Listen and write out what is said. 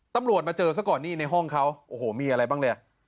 ตำรวจมาเจอสักก่อนนี้ในห้องเค้าโอ้โหมีอะไรบ้างเลยอะ